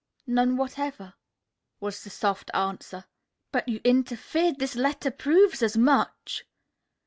"None whatever," was the soft answer. "But you interfered. This letter proves as much."